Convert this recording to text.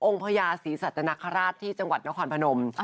พญาศรีสัตนคราชที่จังหวัดนครพนม